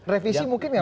revisi mungkin ya pak